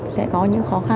sẽ có những khó khăn